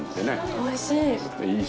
おいしい。